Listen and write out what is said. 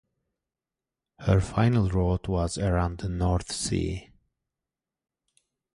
Her final route was around the North Sea.